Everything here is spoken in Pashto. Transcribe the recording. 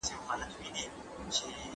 زمانه د حالاتو په بدلولو کي لوی نقش لري.